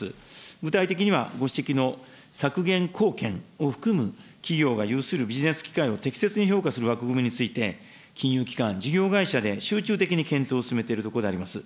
具体的にはご指摘の削減貢献を含む企業が有するビジネス機会を適切に評価する枠組みについて、金融機関、事業会社で集中的に検討を進めているところであります。